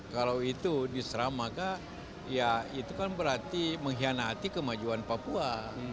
kalau itu diserang maka ya itu kan berarti mengkhianati kemajuan papua